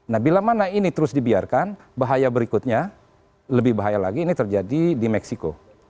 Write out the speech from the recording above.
nah bila mana ini terus dibiarkan bahaya berikutnya lebih bahaya lagi ini terjadi di meksiko